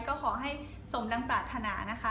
ก็ขอให้สมดังปรารถนานะคะ